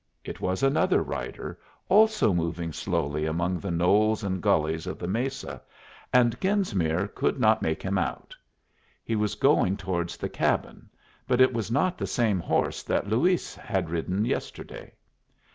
It was another rider, also moving slowly among the knolls and gullies of the mesa, and Genesmere could not make him out. He was going towards the cabin, but it was not the same horse that Luis had ridden yesterday.